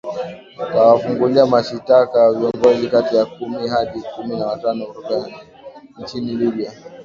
tawafungulia mashitaka viongozi kati ya kumi hadi kumi na watano kutoka nchini libya